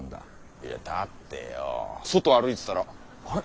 いやだってよォ外歩いてたらあれっ？